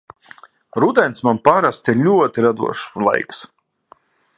Rudens man parasti ir ļoti radošs laiks.